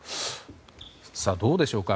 どうでしょうか。